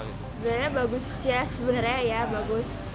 sebenarnya bagus ya sebenarnya ya bagus